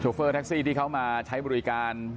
เฟอร์แท็กซี่ที่เขามาใช้บริการ